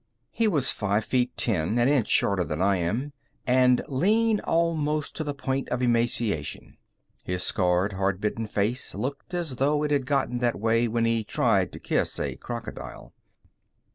He was five feet ten, an inch shorter than I am, and lean almost to the point of emaciation. His scarred, hard bitten face looked as though it had gotten that way when he tried to kiss a crocodile.